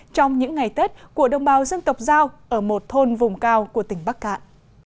trong những ngày tết của đồng bào dân tộc giao ở một thôn vùng cao của tỉnh bắc cạn